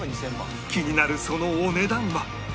気になるそのお値段は？